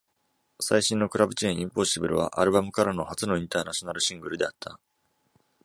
最新のクラブチューン「Impossible」は、アルバムからの初のインターナショナルシングルであった。